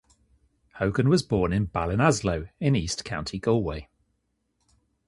Hogan was born in Ballinasloe in east County Galway.